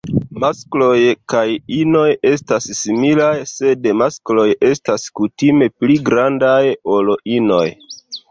Maskloj kaj inoj estas similaj sed maskloj estas kutime pli grandaj ol inoj.